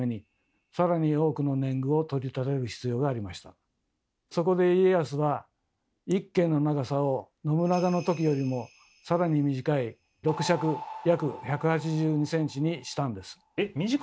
徳川家康はそこで家康は１間の長さを信長のときよりもさらに短い６尺約１８２ｃｍにしたんです。